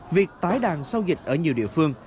việc tái đàn sau dịch ở nhiều địa phương